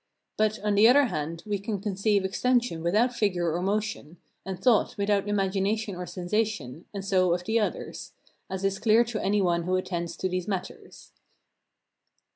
But, on the other hand, we can conceive extension without figure or motion, and thought without imagination or sensation, and so of the others; as is clear to any one who attends to these matters.